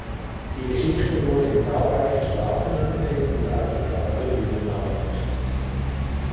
Die Geschichte wurde in zahlreiche Sprachen übersetzt und auch für Theaterbühnen adaptiert.